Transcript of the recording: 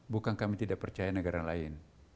bukan kami tidak percaya negara lain